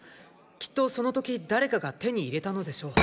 きっとその時誰かが手に入れたのでしょう。